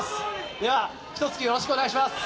では、ひとつきよろしくお願いします。